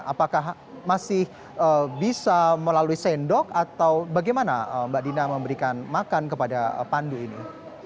apakah masih bisa melalui sendok atau bagaimana mbak dina memberikan makan kepada pandu ini